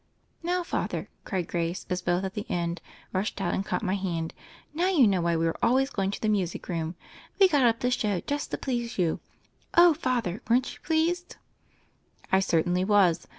"Now, Father," cried Grace as both at the end rushed out and caught my hand, "now you know why we were always going to the music room. We got up this show just to please you. Oh, Father, weren't you pleased?" "I certainly was.